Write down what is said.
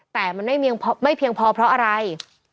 แต่มันไม่เพียงพอเพราะอะไร